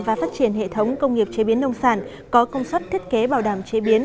và phát triển hệ thống công nghiệp chế biến nông sản có công suất thiết kế bảo đảm chế biến